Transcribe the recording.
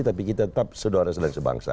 tapi kita tetap sedoros dan sebangsa